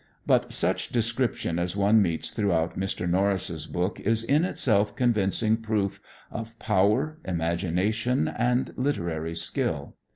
But such description as one meets throughout Mr. Norris' book is in itself convincing proof of power, imagination and literary skill.